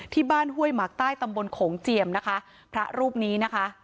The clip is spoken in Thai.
ที่บ้านฮุ่ยหมักใต้ตำบลของเจียมนะคะพระรูปนี้นะคะ